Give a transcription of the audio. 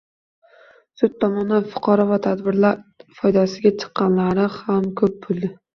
sud tomonidan fuqaro va tadbirkorlar foydasiga chiqqanlari ham ko‘p bo‘ldi.